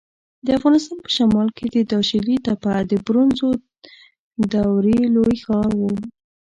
د افغانستان په شمال کې د داشلي تپه د برونزو دورې لوی ښار و